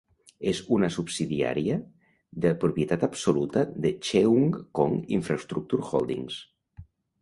És una subsidiària de propietat absoluta de Cheung Kong Infrastructure Holdings.